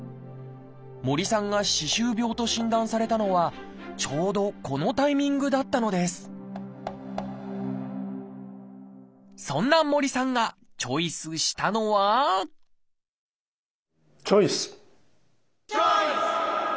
森さんが「歯周病」と診断されたのはちょうどこのタイミングだったのですそんな森さんがチョイスしたのはチョイス！